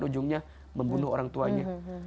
ujungnya membunuh orang tuanya